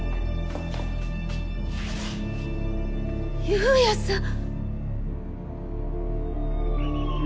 裕也さん！？